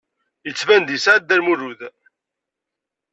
Yettban-d yeɛya Dda Lmulud.